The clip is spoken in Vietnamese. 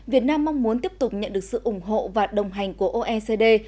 việt nam mong muốn tiếp tục nhận được sự ủng hộ và đồng hành của oecd